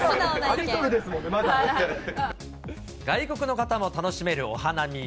外国の方も楽しめるお花見。